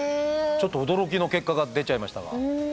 ちょっと驚きの結果が出ちゃいましたが。